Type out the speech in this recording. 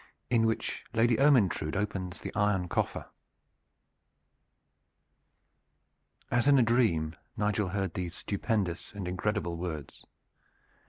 IN WHICH LADY ERMYNTRUDE OPENS THE IRON COFFER AS in a dream Nigel heard these stupendous and incredible words.